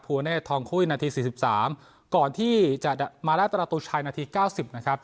เนธทองคุ้ยนาที๔๓ก่อนที่จะมาได้ประตูชัยนาทีเก้าสิบนะครับ